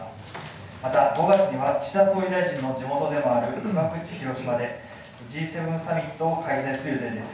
また５月には岸田総理大臣の地元でもある被爆地、広島でＧ７サミットを開催する予定です。